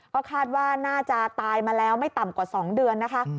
ก็คาดว่าน่าจะตายมาแล้วไม่ต่ำกว่า๒เดือนนะคะ